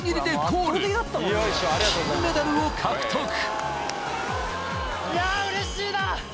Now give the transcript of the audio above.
［金メダルを獲得］